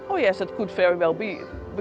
oh ya itu mungkin